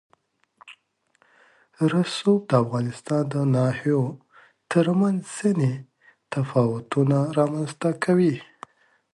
رسوب د افغانستان د ناحیو ترمنځ ځینې تفاوتونه رامنځ ته کوي.